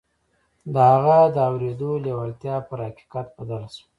د هغه د اورېدو لېوالتیا پر حقيقت بدله شوه.